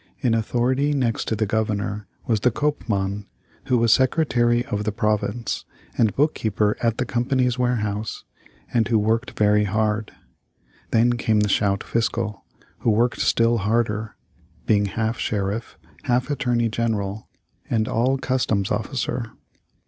In authority next to the Governor was the koopman, who was secretary of the province, and bookkeeper at the Company's warehouse, and who worked very hard. Then came the schout fiscal, who worked still harder, being half sheriff, half attorney general, and all customs officer.